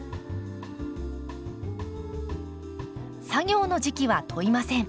作業の時期は問いません。